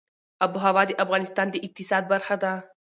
آب وهوا د افغانستان د اقتصاد برخه ده.